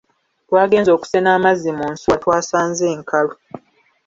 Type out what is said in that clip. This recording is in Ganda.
Twagenze okusena amazzi mu nsuwa twasanze nkalu.